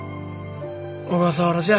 小笠原じゃ。